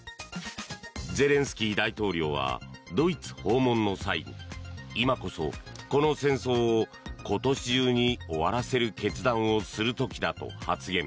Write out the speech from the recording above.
ゼレンスキー大統領はドイツ訪問の際に今こそ、この戦争を今年中に終わらせる決断をする時だと発言。